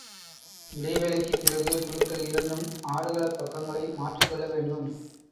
இடைவேளைக்குப் பிறகு குழுக்கள் இரண்டும், ஆடுகளப் பக்கங்களை மாற்றிக்கொள்ள வேண்டும்.